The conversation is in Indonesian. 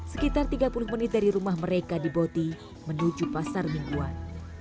sekitar tiga puluh menit dari rumah mereka di boti menuju pasar mingguan